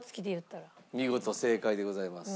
見事正解でございます。